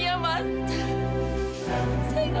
dan mas tau kenapa saya setuju mas